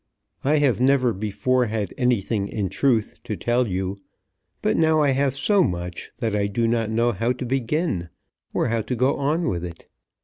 I have never before had anything in truth to tell you; but now I have so much that I do not know how to begin or how to go on with it.